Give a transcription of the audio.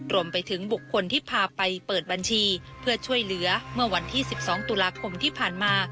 รวมไปถึงบุคคลที่พาไปเปิดบัญชีเพื่อช่วยเหลือเมื่อวันที่๑๒ตุลาคมที่ผ่านมา